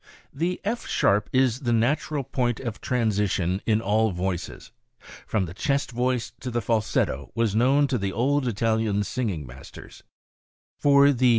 r— £— zqq " The F sharp is the natural point of transition in all voices ; rEhi^q from the chest voice to the falsetto was known to the old lsjz ^j Italian singing masters ; for the •~^.